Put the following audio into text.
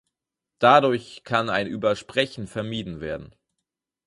Dadurch kann ein Übersprechen vermieden werden.